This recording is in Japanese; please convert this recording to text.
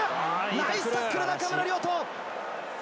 ナイスタックル、中村亮土！